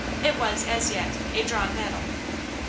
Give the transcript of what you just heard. It was, as yet, a drawn battle.